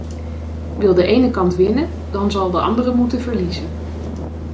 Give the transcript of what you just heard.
Wil de ene kant winnen, dan zal de andere moeten verliezen.